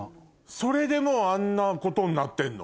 それでもうあんなことになってんの？